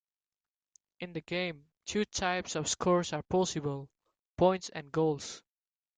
In the game, two types of scores are possible: points and goals.